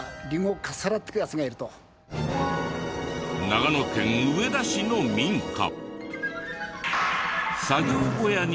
長野県上田市の民家。